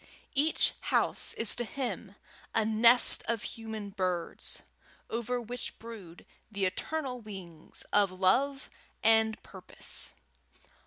Each house is to him a nest of human birds, over which brood the eternal wings of love and purpose.